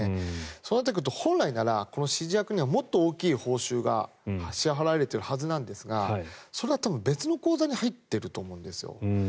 そうなってくると、本来ならこの指示役にはもっと大きい報酬が支払われているはずですが別の口座に入っていると思うんですよ。